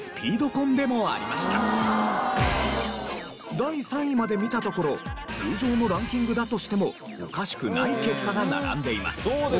第３位まで見たところ通常のランキングだとしてもおかしくない結果が並んでいます。